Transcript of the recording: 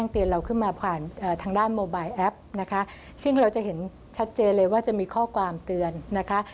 ซึ่งเราจะเห็นชัดเจนเลยว่าจะมีข้อความเตือนนะคะ